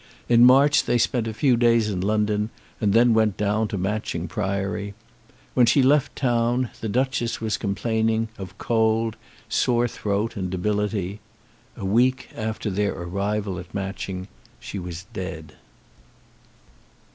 In March they spent a few days in London, and then went down to Matching Priory. When she left town the Duchess was complaining of cold, sore throat, and debility. A week after their arrival at Matching she was dead.